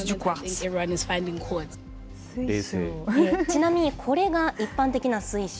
ちなみにこれが、一般的な水晶。